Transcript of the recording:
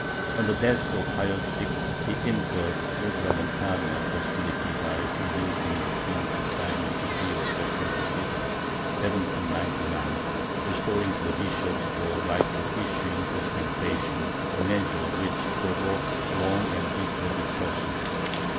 On the death of Pius VI he incurred Ultramontane hostility by inducing the king to sign the decree of September 5, 1799, restoring to the bishops the right of issuing dispensations — a measure which provoked long and bitter discussion.